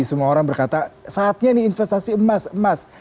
semua orang berkata saatnya ini investasi emas